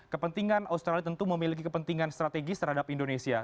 kepentingan australia tentu memiliki kepentingan strategis terhadap indonesia